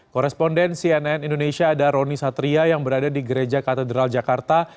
koresponden cnn indonesia ada roni satria yang berada di gereja katedral jakarta